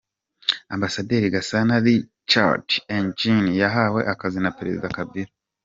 Ambasaderi Gasana Richard Eugene yahawe akazi na Perezida Kabila